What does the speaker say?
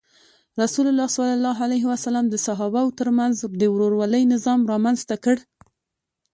رسول الله د صحابه وو تر منځ د ورورولۍ نظام رامنځته کړ.